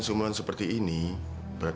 terima kasih pak